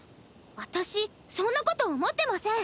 私そんなこと思ってません。